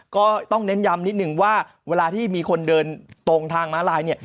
ก็ต้องเน้นย้ำนิดนึงว่าเวลาที่มีคนเดินตรงทางม้าลายเนี่ย